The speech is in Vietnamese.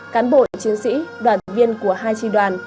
cán bộ chiến sĩ đoàn viên của hai tri đoàn